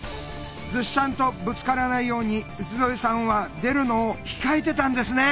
厨子さんとぶつからないように内添さんは出るのを控えてたんですね。